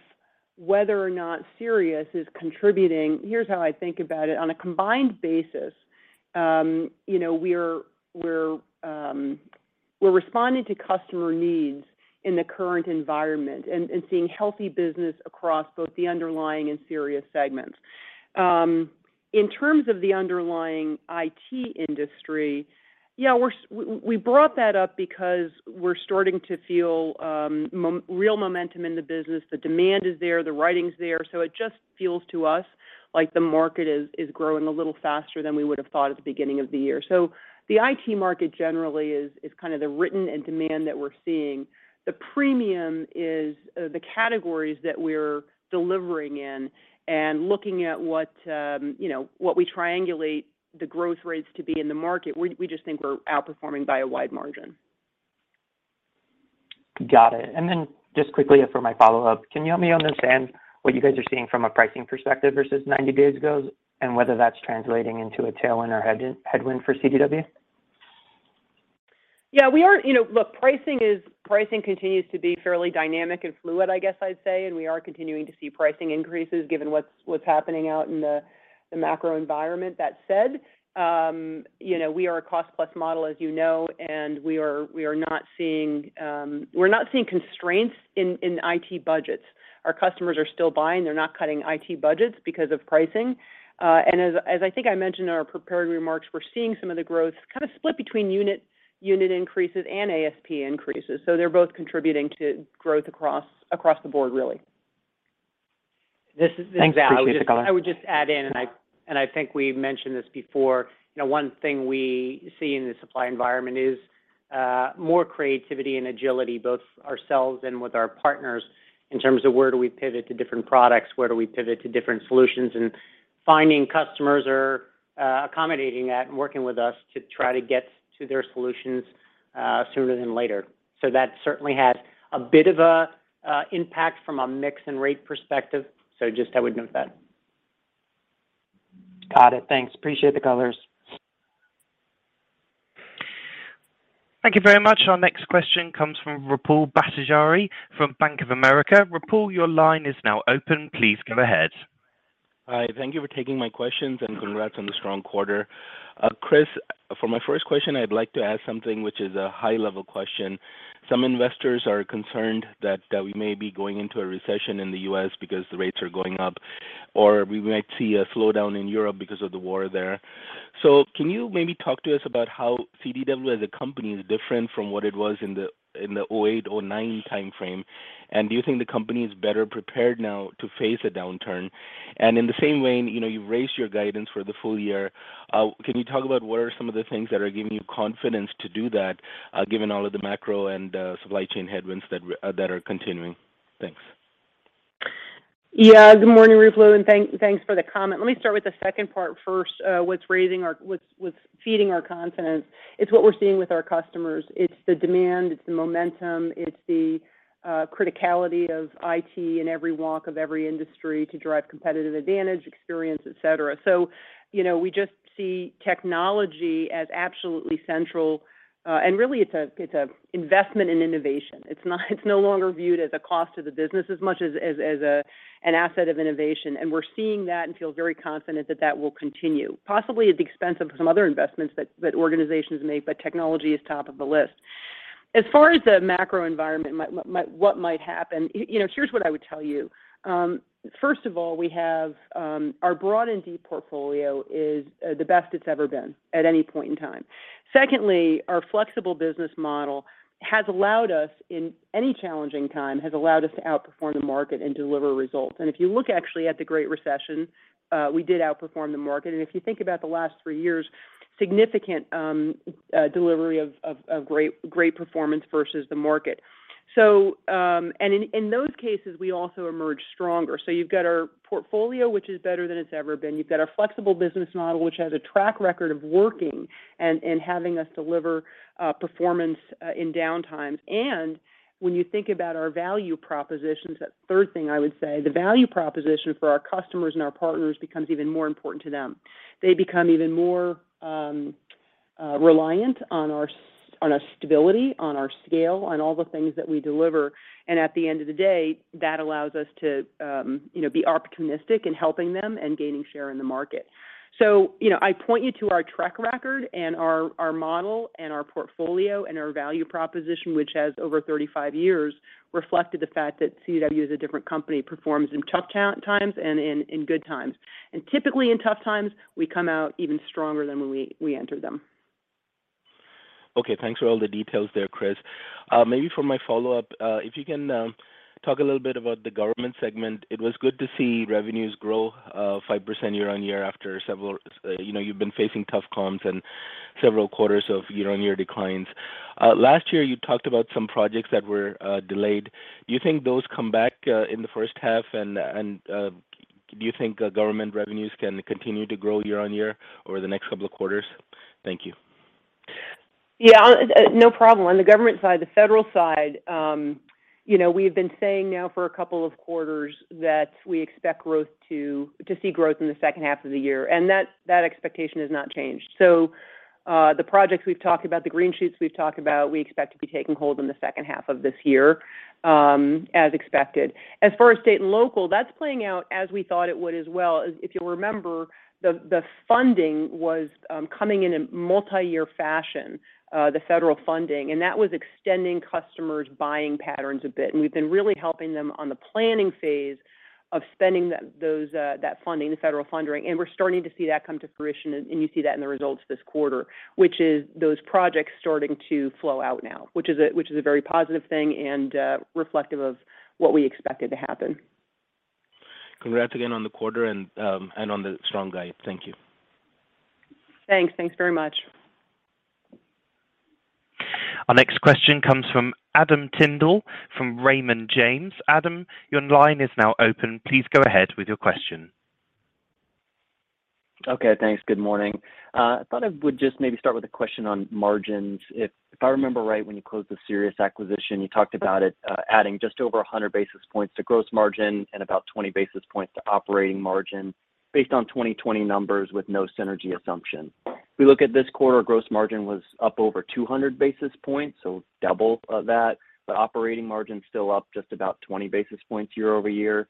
whether or not Sirius is contributing, here's how I think about it. On a combined basis, you know, we're responding to customer needs in the current environment and seeing healthy business across both the underlying and Sirius segments. In terms of the underlying IT industry, yeah, we brought that up because we're starting to feel real momentum in the business. The demand is there, the pipeline's there. It just feels to us like the market is growing a little faster than we would have thought at the beginning of the year. The IT market generally is kind of the right end demand that we're seeing. The premium is in the categories that we're delivering in and looking at what we triangulate the growth rates to be in the market. We just think we're outperforming by a wide margin. Got it. Just quickly for my follow-up, can you help me understand what you guys are seeing from a pricing perspective versus 90 days ago, and whether that's translating into a tailwind or headwind for CDW? Yeah. You know, look, pricing continues to be fairly dynamic and fluid, I guess I'd say, and we are continuing to see pricing increases given what's happening out in the macro environment. That said, you know, we are a cost-plus model, as you know, and we are not seeing constraints in IT budgets. Our customers are still buying. They're not cutting IT budgets because of pricing. And as I think I mentioned in our prepared remarks, we're seeing some of the growth kind of split between unit increases and ASP increases. They're both contributing to growth across the board, really. Thanks. Appreciate the color. This is Al. I would just add in, and I think we've mentioned this before, you know, one thing we see in the supply environment is more creativity and agility, both ourselves and with our partners, in terms of where do we pivot to different products, where do we pivot to different solutions, and finding that customers are accommodating that and working with us to try to get to their solutions sooner than later. That certainly had a bit of an impact from a mix and rate perspective. Just how we've moved that. Got it. Thanks. Appreciate the colors. Thank you very much. Our next question comes from Ruplu Bhattacharya. Ruplu, your line is now open. Please go ahead. Hi. Thank you for taking my questions, and congrats on the strong quarter. Chris, for my first question, I'd like to ask something which is a high-level question. Some investors are concerned that we may be going into a recession in the U.S. because the rates are going up, or we might see a slowdown in Europe because of the war there. Can you maybe talk to us about how CDW as a company is different from what it was in the 2008, 2009 timeframe? Do you think the company is better prepared now to face a downturn? In the same vein, you know, you've raised your guidance for the full year. Can you talk about what are some of the things that are giving you confidence to do that, given all of the macro and supply chain headwinds that are continuing? Thanks. Good morning, Ruplu, and thanks for the comment. Let me start with the second part first. What's feeding our confidence. It's what we're seeing with our customers. It's the demand, it's the momentum, it's the criticality of IT in every walk of every industry to drive competitive advantage, experience, et cetera. You know, we just see technology as absolutely central. Really it's an investment in innovation. It's no longer viewed as a cost to the business as much as an asset of innovation. We're seeing that and feel very confident that that will continue, possibly at the expense of some other investments that organizations make, but technology is top of the list. As far as the macro environment, what might happen, you know, here's what I would tell you. First of all, we have our broad and deep portfolio is the best it's ever been at any point in time. Secondly, our flexible business model has allowed us, in any challenging time, to outperform the market and deliver results. If you look actually at the Great Recession, we did outperform the market. If you think about the last three years, significant delivery of great performance versus the market. In those cases, we also emerge stronger. You've got our portfolio, which is better than it's ever been. You've got our flexible business model, which has a track record of working and having us deliver performance in downtimes. When you think about our value propositions, that third thing I would say, the value proposition for our customers and our partners becomes even more important to them. They become even more reliant on our stability, on our scale, on all the things that we deliver. At the end of the day, that allows us to, you know, be opportunistic in helping them and gaining share in the market. You know, I point you to our track record and our model and our portfolio and our value proposition, which has over 35 years reflected the fact that CDW is a different company, performs in tough times and in good times. Typically in tough times, we come out even stronger than when we enter them. Okay. Thanks for all the details there, Chris. Maybe for my follow-up, if you can talk a little bit about the government segment. It was good to see revenues grow 5% year-over-year after several, you know, you've been facing tough comps and several quarters of year-over-year declines. Last year, you talked about some projects that were delayed. Do you think those come back in the first half? Do you think government revenues can continue to grow year-over-year over the next couple of quarters? Thank you. Yeah. No problem. On the government side, the federal side, you know, we have been saying now for a couple of quarters that we expect to see growth in the second half of the year, and that expectation has not changed. The projects we've talked about, the green shoots we've talked about, we expect to be taking hold in the second half of this year, as expected. As far as state and local, that's playing out as we thought it would as well. As if you'll remember, the funding was coming in in multi-year fashion, the federal funding, and that was extending customers' buying patterns a bit. We've been really helping them on the planning phase of spending those, that funding, the federal funding, and we're starting to see that come to fruition, and you see that in the results this quarter, which is those projects starting to flow out now, which is a very positive thing and reflective of what we expected to happen. Congrats again on the quarter and on the strong guide. Thank you. Thanks. Thanks very much. Our next question comes from Adam Tindle from Raymond James. Adam, your line is now open. Please go ahead with your question. Okay, thanks. Good morning. I thought I would just maybe start with a question on margins. If I remember right, when you closed the Sirius acquisition, you talked about it adding just over 100 basis points to gross margin and about 20 basis points to operating margin based on 2020 numbers with no synergy assumption. If we look at this quarter, gross margin was up over 200 basis points, so double that, but operating margin's still up just about 20 basis points year-over-year.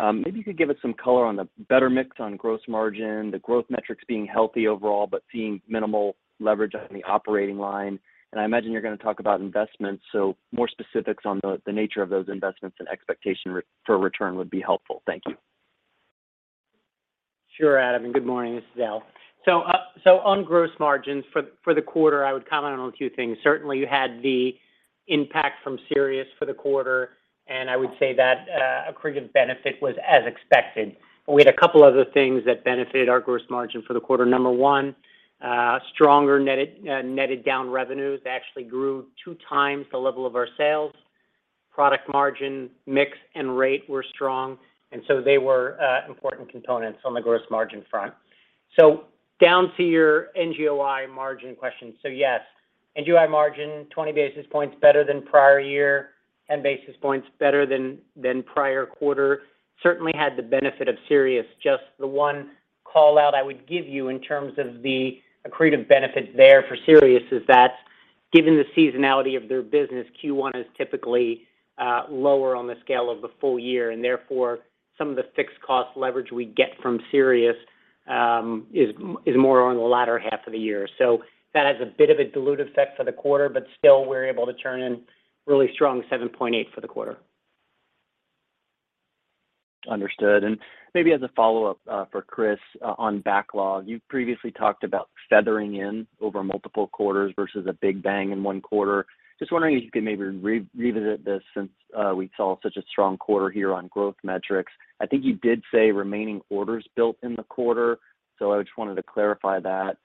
Maybe you could give us some color on the better mix on gross margin, the growth metrics being healthy overall, but seeing minimal leverage on the operating line. I imagine you're gonna talk about investments, so more specifics on the nature of those investments and expectations for return would be helpful. Thank you. Sure, Adam. Good morning. This is Al. On gross margins for the quarter, I would comment on a few things. Certainly, you had the impact from Sirius for the quarter, and I would say that accretive benefit was as expected. We had a couple other things that benefited our gross margin for the quarter. Number one, stronger netted down revenues. They actually grew 2x the level of our sales. Product margin, mix, and rate were strong, and they were important components on the gross margin front. Down to your NGOI margin question. Yes, NGOI margin, 20 basis points better than prior year, 10 basis points better than prior quarter. Certainly, had the benefit of Sirius. Just the one call-out I would give you in terms of the accretive benefit there for Sirius is that given the seasonality of their business, Q1 is typically lower on the scale of the full year, and therefore, some of the fixed cost leverage we get from Sirius is more on the latter half of the year. That has a bit of a dilutive effect for the quarter, but still, we're able to turn in really strong 7.8% for the quarter. Understood. Maybe as a follow-up for Chris on backlog, you've previously talked about feathering in over multiple quarters versus a big bang in one quarter. Just wondering if you could maybe revisit this since we saw such a strong quarter here on growth metrics. I think you did say remaining orders built in the quarter, so I just wanted to clarify that.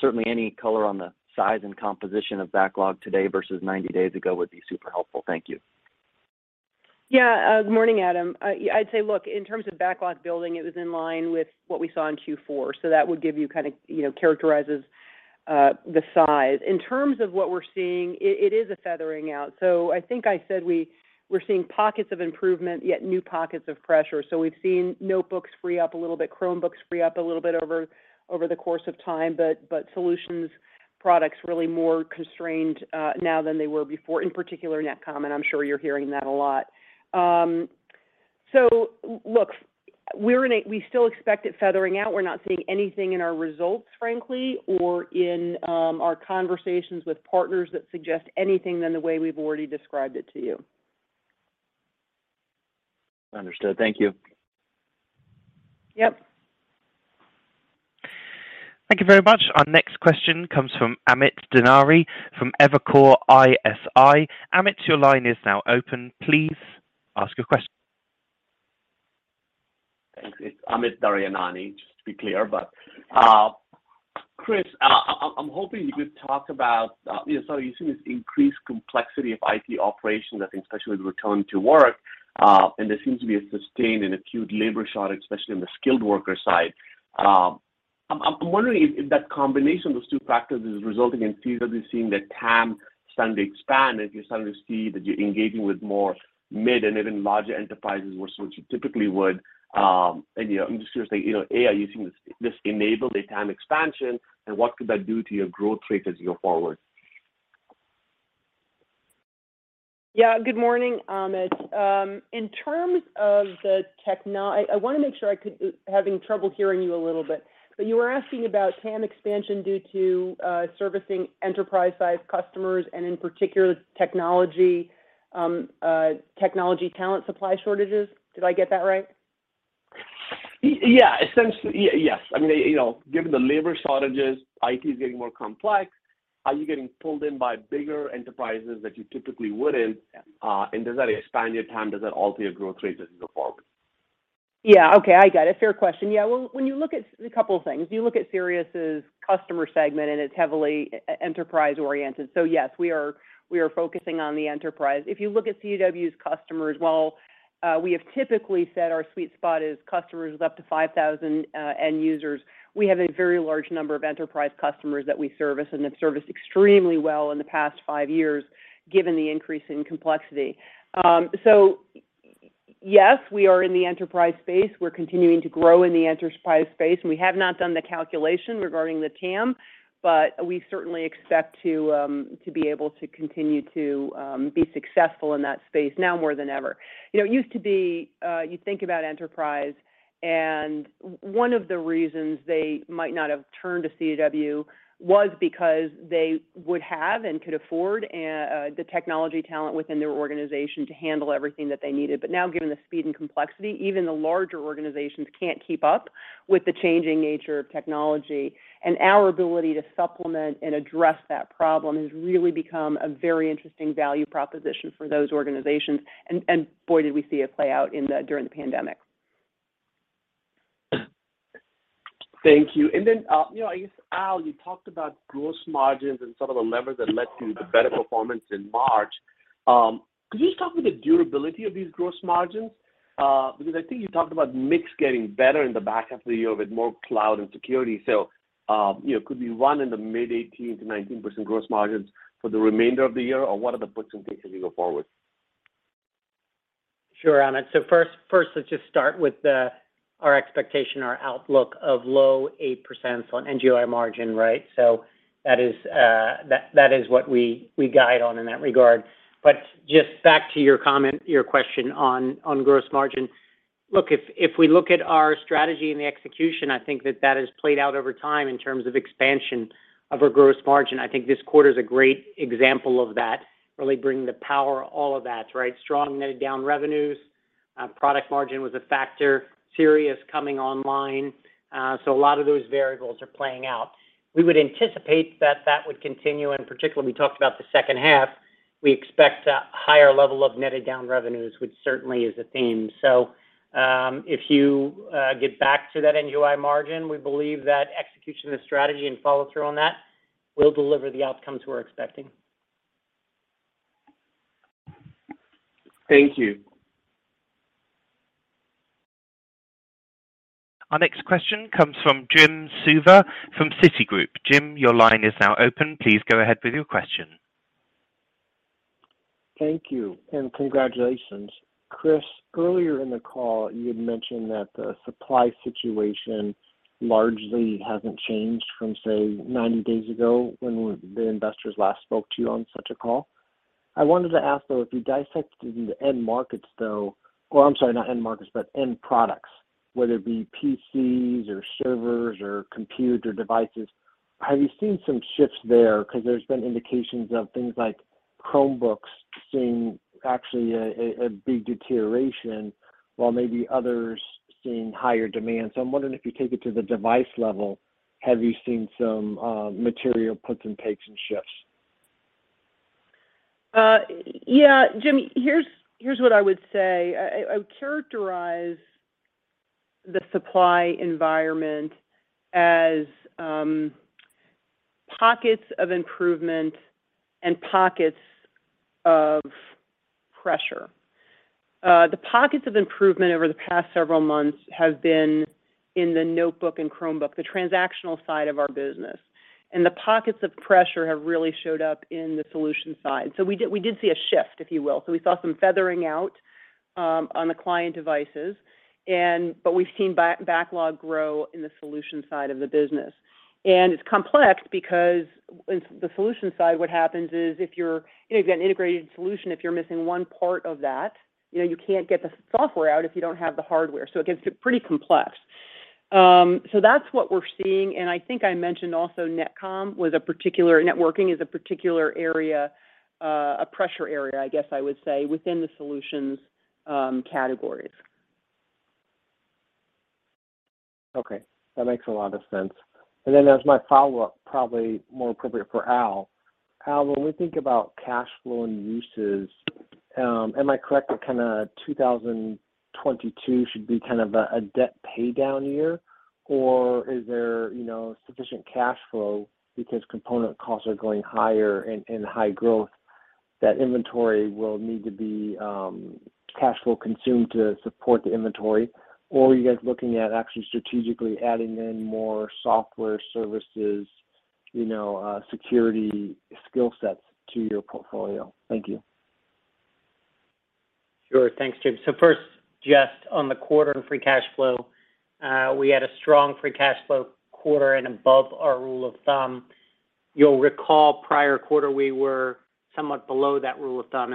Certainly, any color on the size and composition of backlog today versus 90 days ago would be super helpful. Thank you. Yeah. Good morning, Adam. I'd say, look, in terms of backlog building, it was in line with what we saw in Q4, so that would give you kind of, you know, a characterization of the size. In terms of what we're seeing, it is a feathering out. I think I said we're seeing pockets of improvement, yet new pockets of pressure. We've seen notebooks free up a little bit, Chromebooks free up a little bit over the course of time, but solutions products really more constrained now than they were before, in particular NetComm, and I'm sure you're hearing that a lot. Look, we still expect it feathering out. We're not seeing anything in our results, frankly, or in our conversations with partners that suggest anything other than the way we've already described it to you. Understood. Thank you. Yep. Thank you very much. Our next question comes from Amit Daryanani from Evercore ISI. Amit, your line is now open. Please ask your question. Thanks. It's Amit Daryanani, just to be clear. Chris, I'm hoping you could talk about, you know, so you've seen this increased complexity of IT operations, I think, especially with return to work, and there seems to be a sustained and acute labor shortage, especially on the skilled worker side. I'm wondering if that combination of those two factors is resulting in these that we're seeing that TAM starting to expand, if you're starting to see that you're engaging with more mid and even larger enterprises versus what you typically would. You know, I'm just curious, like, A, are you seeing this enabling the TAM expansion, and what could that do to your growth rate as you go forward? Yeah. Good morning, Amit. I am having trouble hearing you a little bit. You were asking about TAM expansion due to servicing enterprise-sized customers and, in particular, technology talent supply shortages. Did I get that right? Yeah, essentially. Yes. I mean, you know, given the labor shortages, IT is getting more complex. Are you getting pulled in by bigger enterprises that you typically wouldn't? Does that expand your TAM? Does that alter your growth rates as you go forward? Okay, I get it. Fair question. Well, when you look at a couple of things, you look at Sirius's customer segment, and it's heavily enterprise oriented. Yes, we are focusing on the enterprise. If you look at CDW's customers, while we have typically said our sweet spot is customers with up to 5,000 end users, we have a very large number of enterprise customers that we service and have serviced extremely well in the past five years given the increase in complexity. Yes, we are in the enterprise space. We're continuing to grow in the enterprise space, and we have not done the calculation regarding the TAM, but we certainly expect to be able to continue to be successful in that space now more than ever. You know, it used to be, you think about enterprise and one of the reasons they might not have turned to CDW was because they would have and could afford the technology talent within their organization to handle everything that they needed. Now, given the speed and complexity, even the larger organizations can't keep up with the changing nature of technology, and our ability to supplement and address that problem has really become a very interesting value proposition for those organizations. Boy, did we see it play out during the pandemic. Thank you. Al, you talked about gross margins and some of the levers that led to the better performance in March. Could you just talk about the durability of these gross margins? Because I think you talked about mix getting better in the back half of the year with more cloud and security. Could we run in the mid 18%-19% gross margins for the remainder of the year, or what are the puts and takes as we go forward? Sure, Amit. First, let's just start with our expectation, our outlook of low 8% on NGOI margin, right? That is what we guide on in that regard. Just back to your comment, your question on gross margin. Look, if we look at our strategy and the execution, I think that has played out over time in terms of expansion of our gross margin. I think this quarter is a great example of that, really bringing the power, all of that, right? Strong netted down revenues, product margin was a factor, Sirius is coming online, so a lot of those variables are playing out. We would anticipate that would continue, and particularly we talked about the second half, we expect a higher level of netted down revenues, which certainly is a theme. If you get back to that NGOI margin, we believe that execution of the strategy and follow-through on that will deliver the outcomes we're expecting. Thank you. Our next question comes from Jim Suva from Citigroup. Jim, your line is now open. Please go ahead with your question. Thank you, and congratulations. Chris, earlier in the call, you had mentioned that the supply situation largely hasn't changed from, say, 90 days ago when the investors last spoke to you on such a call. I wanted to ask, though, if you dissect in the end markets, though. Or I'm sorry, not end markets, but end products, whether it be PCs or servers or compute or devices, have you seen some shifts there? Because there's been indications of things like Chromebooks seeing actually a big deterioration, while maybe others seeing higher demand. I'm wondering if you take it to the device level, have you seen some material puts and takes and shifts? Yeah, Jim, here's what I would say. I would characterize the supply environment as pockets of improvement and pockets of pressure. The pockets of improvement over the past several months have been in the notebook and Chromebook, the transactional side of our business. The pockets of pressure have really showed up in the solution side. We did see a shift, if you will. We saw some feathering out on the client devices and, but we've seen backlog grow in the solution side of the business. It's complex because in the solution side, what happens is if you're, you know, you've got an integrated solution, if you're missing one part of that, you know, you can't get the software out if you don't have the hardware. It gets pretty complex. That's what we're seeing. I think I mentioned also networking is a particular area, a pressure area, I guess I would say, within the solutions categories. Okay. That makes a lot of sense. As my follow-up, probably more appropriate for Al. Al, when we think about cash flow and uses, am I correct that kinda 2022 should be kind of a debt pay down year? Or is there, you know, sufficient cash flow because component costs are going higher and high growth, that inventory will need to be cash flow consumed to support the inventory? Or are you guys looking at actually strategically adding in more software services, you know, security skill sets to your portfolio? Thank you. Sure. Thanks, Jim. First, just on the quarter and free cash flow, we had a strong free cash flow quarter and above our rule of thumb. You'll recall prior quarter, we were somewhat below that rule of thumb.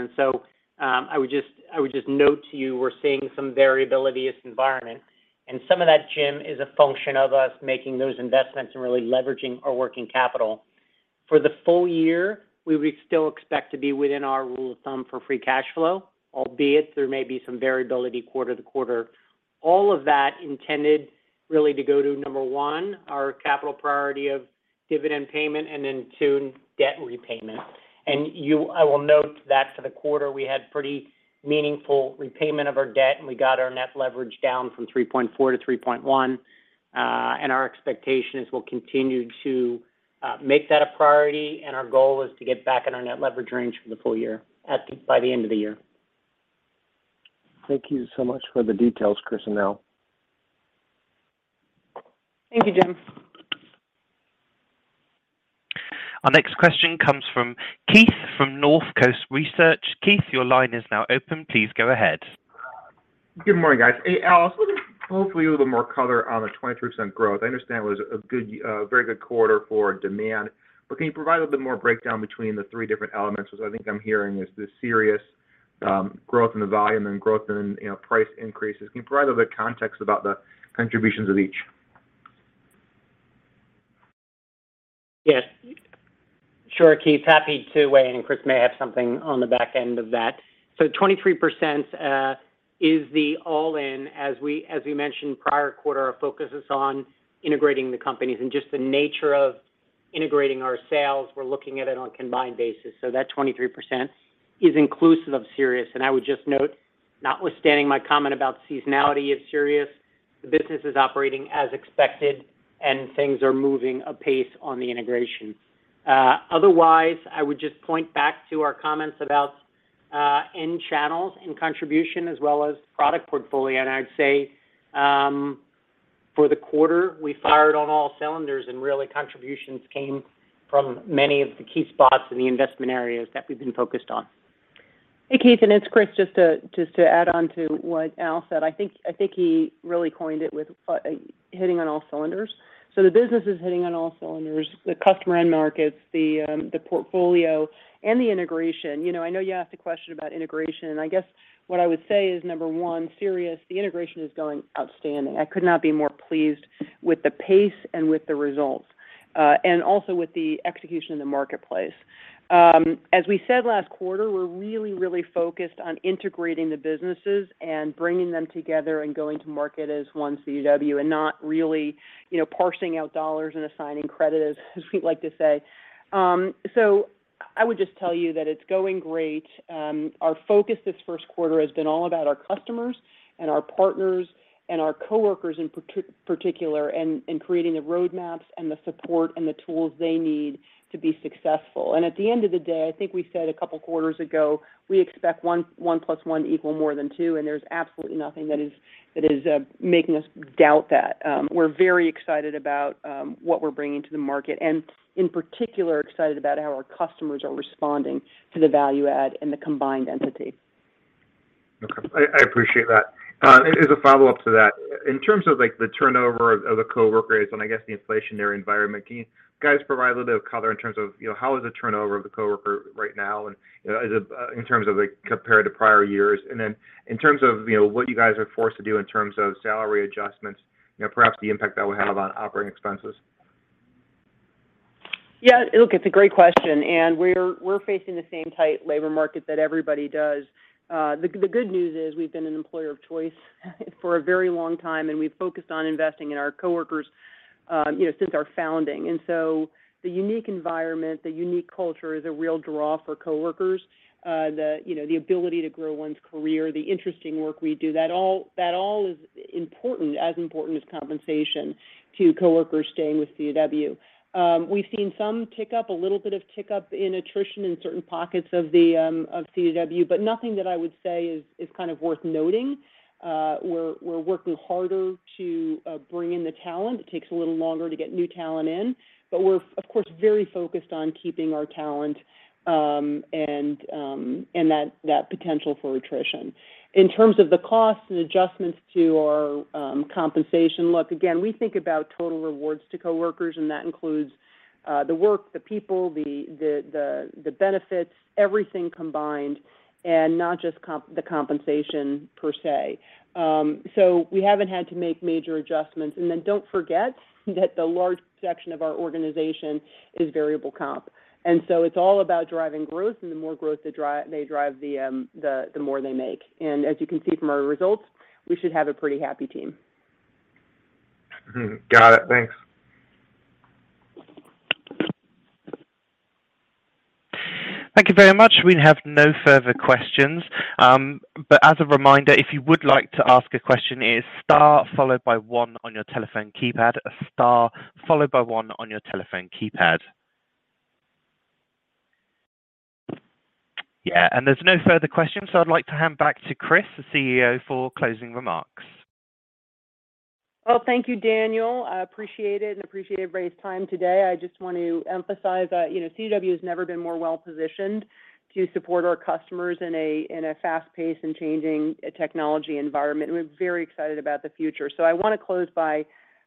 I would just note to you, we're seeing some variability in the environment. Some of that, Jim, is a function of us making those investments and really leveraging our working capital. For the full year, we would still expect to be within our rule of thumb for free cash flow, albeit there may be some variability quarter to quarter. All of that intended really to go to, number one, our capital priority of dividend payment and then two, debt repayment. I will note that for the quarter, we had pretty meaningful repayment of our debt, and we got our net leverage down from 3.4x to 3.1x. Our expectation is we'll continue to make that a priority, and our goal is to get back in our net leverage range for the full year by the end of the year. Thank you so much for the details, Chris and Al. Thank you, Jim. Our next question comes from Keith from Northcoast Research. Keith, your line is now open. Please go ahead. Good morning, guys. Hey, Al, just hopefully a little more color on the 20% growth. I understand it was a very good quarter for demand. Can you provide a bit more breakdown between the three different elements? Because I think I'm hearing is this Sirius growth in the volume and growth in price increases. Can you provide a bit context about the contributions of each? Yes. Sure, Keith. Happy to weigh in, and Chris may have something on the back end of that. 23% is the all-in. As we mentioned prior quarter, our focus is on integrating the companies and just the nature of integrating our sales, we're looking at it on a combined basis. That 23% is inclusive of Sirius. I would just note, notwithstanding my comment about seasonality of Sirius, the business is operating as expected, and things are moving apace on the integration. Otherwise, I would just point back to our comments about end channels and contribution as well as product portfolio. I'd say, for the quarter, we fired on all cylinders and really contributions came from many of the key spots in the investment areas that we've been focused on. Hey, Keith, and it's Chris. Just to add on to what Al said. I think he really coined it with hitting on all cylinders. So the business is hitting on all cylinders. The customer end markets, the portfolio, and the integration. You know, I know you asked a question about integration, and I guess what I would say is number one, Sirius, the integration is going outstanding. I could not be more pleased with the pace and with the results, and also with the execution in the marketplace. As we said last quarter, we're really, really focused on integrating the businesses and bringing them together and going to market as one CDW and not really, you know, parsing out dollars and assigning credit, as we like to say. So I would just tell you that it's going great. Our focus this first quarter has been all about our customers and our partners and our coworkers in particular and creating the roadmaps and the support and the tools they need to be successful. At the end of the day, I think we said a couple of quarters ago, we expect 1 + 1 to equal more than two, and there's absolutely nothing that is making us doubt that. We're very excited about what we're bringing to the market and in particular excited about how our customers are responding to the value add and the combined entity. Okay. I appreciate that. As a follow-up to that. In terms of, like, the turnover of the coworkers and I guess the inflationary environment, can you guys provide a little bit of color in terms of, you know, how is the turnover of the coworker right now and, you know, is it in terms of, like, compared to prior years? Then in terms of, you know, what you guys are forced to do in terms of salary adjustments, you know, perhaps the impact that would have on operating expenses. Yeah, look, it's a great question, and we're facing the same tight labor market that everybody does. The good news is we've been an employer of choice for a very long time, and we've focused on investing in our coworkers, you know, since our founding. The unique environment, the unique culture is a real draw for coworkers. The ability to grow one's career, the interesting work we do, that all is important, as important as compensation to coworkers staying with CDW. We've seen some tick-up, a little bit of tick-up in attrition in certain pockets of CDW, but nothing that I would say is kind of worth noting. We're working harder to bring in the talent. It takes a little longer to get new talent in. We're, of course, very focused on keeping our talent, and that potential for attrition. In terms of the costs and adjustments to our compensation, look, again, we think about total rewards to coworkers, and that includes the work, the people, the benefits, everything combined, and not just the compensation per se. We haven't had to make major adjustments. Don't forget that the large section of our organization is variable comp. It's all about driving growth, and the more growth they drive, the more they make. As you can see from our results, we should have a pretty happy team. Got it. Thanks. Thank you very much. We have no further questions. As a reminder, if you would like to ask a question, it is star followed by one on your telephone keypad, a star followed by one on your telephone keypad. There's no further questions, so I'd like to hand back to Chris, the CEO, for closing remarks. Well, thank you, Daniel. I appreciate it and appreciate everybody's time today. I just want to emphasize that, you know, CDW has never been more well-positioned to support our customers in a, in a fast-paced and changing technology environment. We're very excited about the future. I wanna close by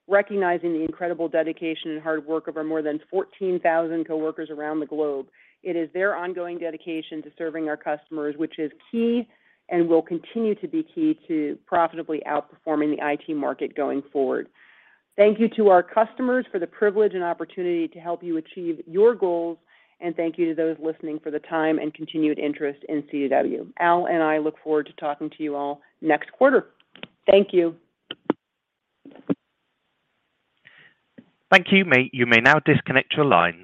recognizing the incredible dedication and hard work of our more than 14,000 coworkers around the globe. It is their ongoing dedication to serving our customers, which is key and will continue to be key to profitably outperforming the IT market going forward. Thank you to our customers for the privilege and opportunity to help you achieve your goals. Thank you to those listening for the time and continued interest in CDW. Al and I look forward to talking to you all next quarter. Thank you. Thank you. You may now disconnect your line.